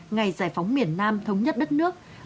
ngày giải phóng miền nam thống nhất đất nước